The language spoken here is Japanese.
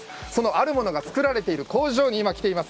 あるものが作られている工場に来ています。